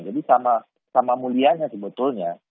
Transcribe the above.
jadi sama mulianya sebetulnya